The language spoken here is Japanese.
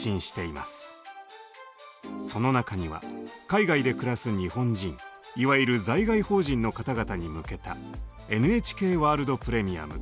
その中には海外で暮らす日本人いわゆる在外邦人の方々に向けた「ＮＨＫワールド・プレミアム」